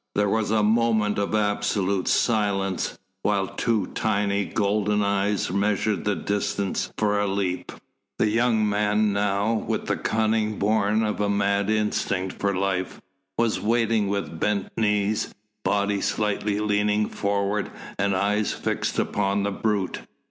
There was a moment of absolute silence, while two tiny golden eyes, measured the distance for a leap. The young man now, with the cunning born of a mad instinct for life, was waiting with bent knees, body slightly leaning forward and eyes fixed upon the brute.